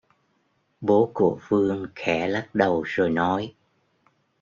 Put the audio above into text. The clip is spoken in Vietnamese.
Bố của Phương khé lắc đầu rồi nói